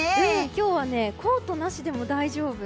今日はコートなしでも大丈夫。